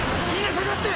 下がって！